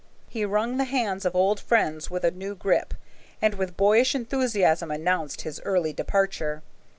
He wrung the hands of old friends with a new grip, and with boyish enthusiasm announced his early departure.